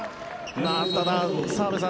ただ、澤部さん